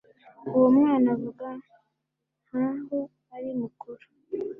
Uwo mwana avuga nkaho ari mukuru